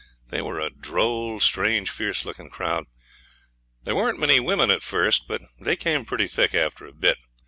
They were a droll, strange, fierce looking crowd. There weren't many women at first, but they came pretty thick after a bit.